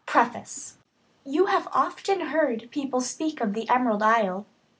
Preface YOU have often heard people speak of the Emerald Isle.